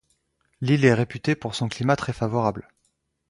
L'île est réputée pour son climat très favorable.